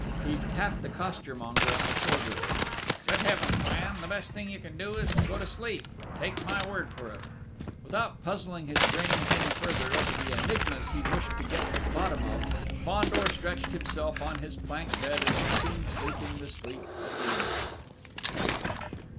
He tapped the costermonger on the shoulder. "Good Heavens, man, the best thing you can do is to go to sleep! Take my word for it!" Without puzzling his brains any further over the enigmas he wished to get to the bottom of, Fandor stretched himself on his plank bed, and was soon sleeping the sleep of the innocent.